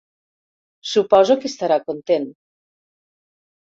Suposo que estarà content.